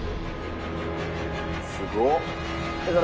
すごっ。